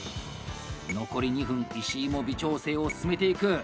残り２分石井も微調整を進めていく！